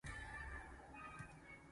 人心是肉做的